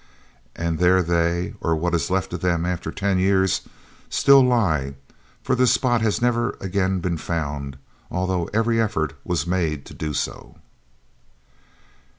And there they, or what is left of them after ten years, still lie, for the spot has never again been found, although every effort was made to do so.